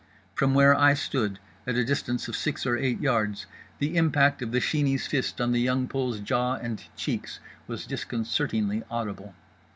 From where I stood, at a distance of six or eight yards, the impact of the Sheeney's fist on The Young Pole's jaw and cheeks was disconcertingly audible.